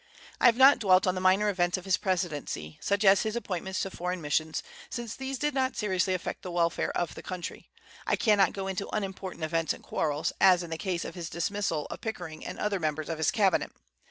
I have not dwelt on the minor events of his presidency, such as his appointments to foreign missions, since these did not seriously affect the welfare of the country. I cannot go into unimportant events and quarrels, as in the case of his dismissal of Pickering and other members of his Cabinet.